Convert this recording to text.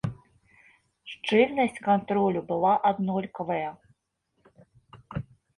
Шчыльнасць кантролю была аднолькавая.